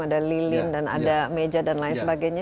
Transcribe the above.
ada lilin dan ada meja dan lain sebagainya